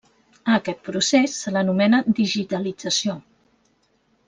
A aquest procés se l'anomena digitalització.